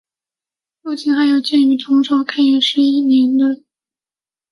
附近还有建于唐朝开元十一年的周公测景台。